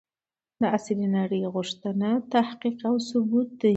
د عصري نړۍ غوښتنه تحقيق او ثبوت دی.